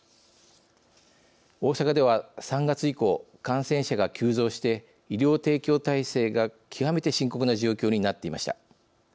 大阪では３月以降感染者が急増して医療提供体制が極めて深刻な状況になっていました。